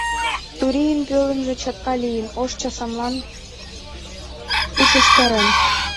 Турийын пӧлемже чатка лийын, ош часамлам ушештарен.